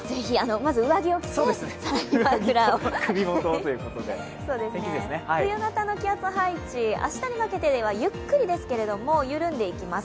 まず上着を着て、更にマフラーを冬型の気圧配置、明日にかけてはゆっくりですが緩んでいきます。